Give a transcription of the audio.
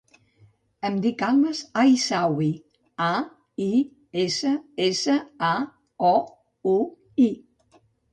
Em dic Almas Aissaoui: a, i, essa, essa, a, o, u, i.